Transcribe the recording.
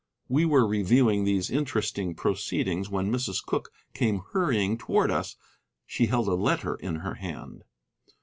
We were reviewing these interesting proceedings when Mrs. Cooke came hurrying towards us. She held a letter in her hand.